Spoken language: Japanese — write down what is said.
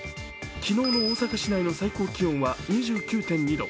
昨日の大阪市内の最高気温は２９．２度。